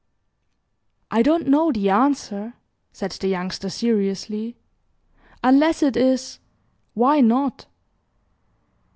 "I don't know the answer," said the Youngster, seriously, "unless it is 'why not?'"